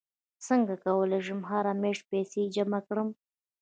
څنګه کولی شم هره میاشت پیسې جمع کړم